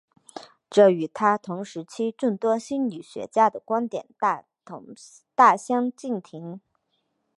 这与他同时期众多心理学家的观点大相径庭。